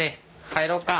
帰ろうか。